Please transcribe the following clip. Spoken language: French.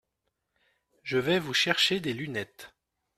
Je vais vous chercher des lunettes.